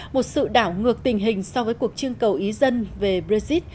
một sự đảo ngược tình hình so với cuộc trưng cầu ý dân về brexit